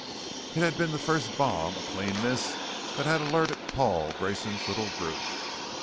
It had been the first bomb, a clean miss, that had alerted Paul Grayson's little group.